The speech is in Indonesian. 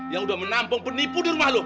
yang udah menampung penipu di rumah lo